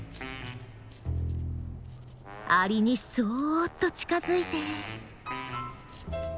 アリにそっと近づいて。